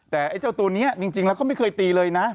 แต่ตัวนี้จริงแล้วเขาไม่เคยตีเลยนะ